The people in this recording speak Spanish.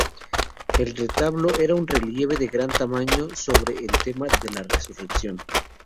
El retablo era un relieve de gran tamaño sobre el tema de la Resurrección.